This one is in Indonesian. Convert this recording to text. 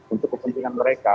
untuk kepentingan mereka